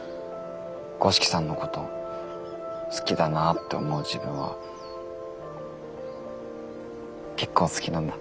五色さんのこと好きだなって思う自分は結構好きなんだ。